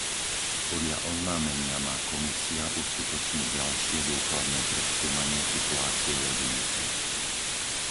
Podľa oznámenia má Komisia uskutočniť ďalšie dôkladné preskúmanie situácie lodenice.